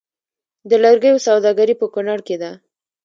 د لرګیو سوداګري په کنړ کې ده